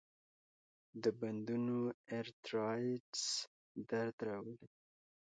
د بندونو ارترایټس درد راولي.